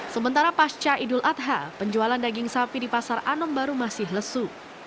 sementara pasca idul adha penjualan daging sapi di pasar anom baru masih lesu